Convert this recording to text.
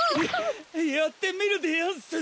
ややってみるでやんす。